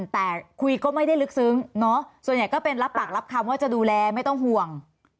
แต่คุยก็ไม่ได้ลึกซึ้งเนาะส่วนใหญ่ก็เป็นรับปากรับคำว่าจะดูแลไม่ต้องห่วง